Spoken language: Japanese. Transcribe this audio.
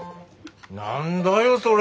何だよそれ。